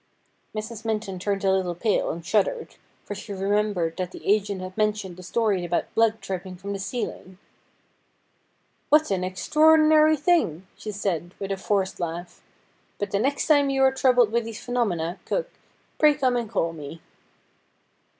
Mrs. Minton turned a little pale and shuddered, for she remembered that the agent had mentioned the story about blood dripping from the ceiling. ' What an extraordinary thing !' she said, with a forced laugh ;' but the next time you are troubled with these phe nomena, cook, pray come and call me.'